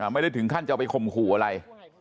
ไม่ได้ถึงขั้นจะเอาไปข่มขู่อะไร